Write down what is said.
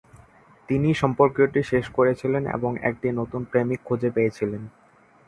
তিনি সম্পর্কটি শেষ করেছিলেন এবং একটি নতুন প্রেমিক খুঁজে পেয়েছিলেন।